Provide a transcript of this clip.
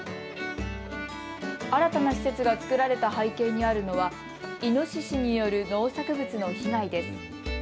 新たな施設が作られた背景にあるのはイノシシによる農作物の被害です。